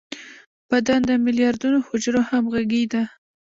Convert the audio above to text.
بدن د ملیاردونو حجرو همغږي ده.